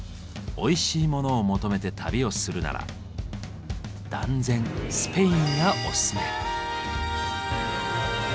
おいしいモノを求めて旅をするなら断然スペインがオススメ。